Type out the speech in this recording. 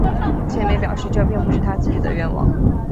晋美表示这并不是他自己的愿望。